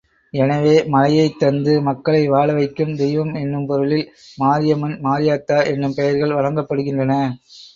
எனவே, மழையைத் தந்து மக்களை வாழ வைக்கும் தெய்வம் என்னும் பொருளில் மாரியம்மன் மாரியாத்தா என்னும் பெயர்கள் வழங்கப்படுகின்றன.